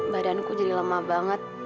badanku jadi lemah banget